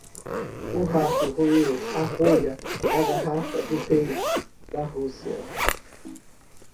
O rato roeu a rolha da garrafa do Rei da Rússia.